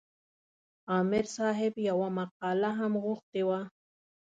عامر صاحب یوه مقاله هم غوښتې وه.